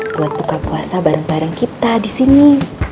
buat buka puasa bareng bareng kita di sini